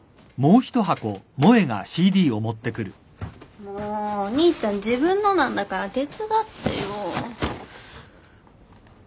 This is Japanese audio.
もうお兄ちゃん自分のなんだから手伝ってよ。